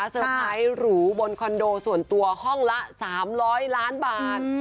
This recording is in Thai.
เตอร์ไพรส์หรูบนคอนโดส่วนตัวห้องละ๓๐๐ล้านบาท